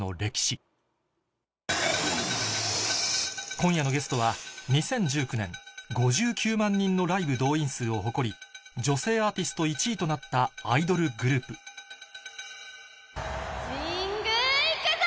今夜のゲストは２０１９年５９万人のライブ動員数を誇り女性アーティスト１位となったアイドルグループ神宮行くぞ！